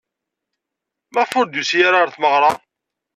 Maɣef ur d-yusi ara ɣer tmeɣra?